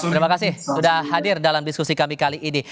terima kasih sudah hadir dalam diskusi kami kali ini